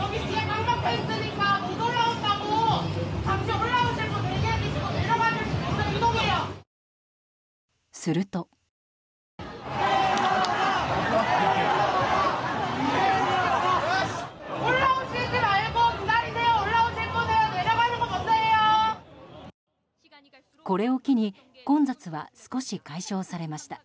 これを機に混雑は少し解消されました。